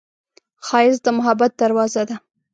ښایست د محبت دروازه ده